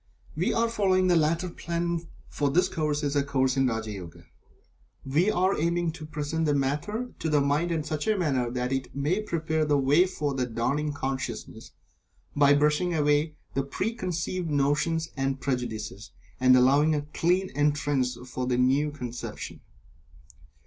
We are following the latter plan, for this course is a Course in Raja Yoga. We are aiming to present the matter to the mind in such a manner that it may prepare the way for the dawning consciousness, by brushing away the preconceived notions and prejudices, and allowing a clean entrance for the new conception.